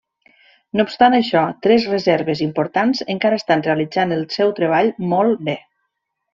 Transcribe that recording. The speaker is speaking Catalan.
No obstant això, tres reserves importants encara estan realitzant el seu treball molt bé.